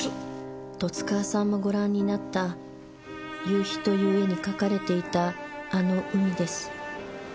十津川さんもご覧になった『夕陽』という絵に描かれていたあの海です。